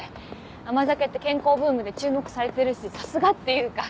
甘酒って健康ブームで注目されてるしさすがっていうか。